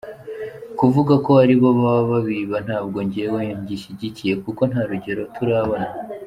"Kuvuga ko aribo baba babiba, ntabwo njyewe ngishigikiye kuko nta rugero turabona.